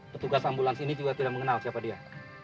petugas ambulans ini juga tidak mengenal siapa dia